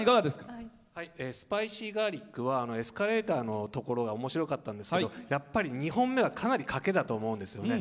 スパイシーガーリックはエスカレーターのところがおもしろかったんですけど２本目はかなり賭けだったと思うんですよね